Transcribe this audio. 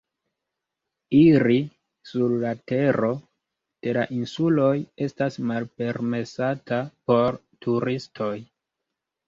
Iri sur la tero de la insuloj estas malpermesata por turistoj.